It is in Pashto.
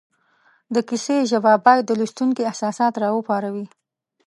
د کیسې ژبه باید د لوستونکي احساسات را وپاروي